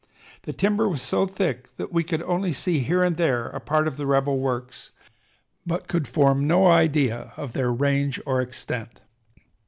The timber was so thick that we could only see here and there a part of the rebel works, but could form no idea of their range or extent....